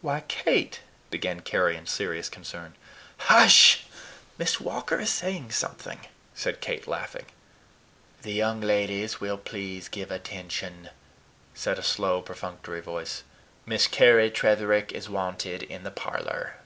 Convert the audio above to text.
"Why, Kate," began Carry, in serious concern. "Hush! Miss Walker is saying something," said Kate, laughing. "The young ladies will please give attention," said a slow, perfunctory voice. "Miss Carry Tretherick is wanted in the parlor."